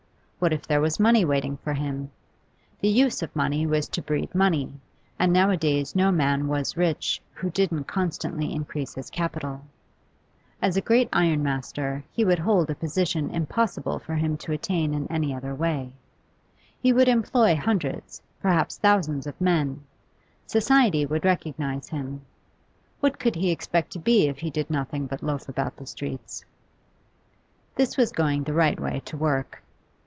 What if there was money waiting for him? The use of money was to breed money, and nowadays no man was rich who didn't constantly increase his capital. As a great ironmaster, he would hold a position impossible for him to attain in any other way; he would employ hundreds, perhaps thousands, of men; society would recognise him. What could he expect to be if he did nothing but loaf about the streets? This was going the right way to work.